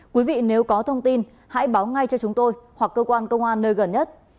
quý vị nếu có thông tin hãy báo ngay cho chúng tôi hoặc cơ quan công an nơi gần nhất